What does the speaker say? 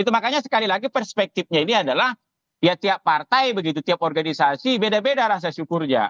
makanya sekali lagi perspektifnya ini adalah ya tiap partai begitu tiap organisasi beda beda rasa syukurnya